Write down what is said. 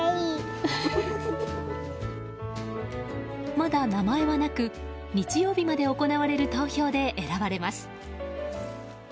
まだ名前はなく、日曜日まで行われる投票で選ばれます。